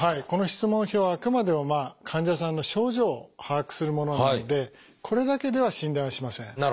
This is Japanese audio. この質問票はあくまでも患者さんの症状を把握するものなのでこれだけでは診断はしません。